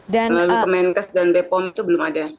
melalui kemenkes dan bepom itu belum ada